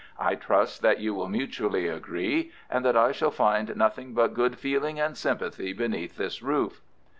"I trust that you will mutually agree, and that I shall find nothing but good feeling and sympathy beneath this roof."